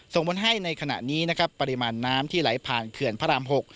ส่งผลให้ในขณะนี้นะครับปริมาณน้ำที่ไหลผ่านเขื่อนพระราม๖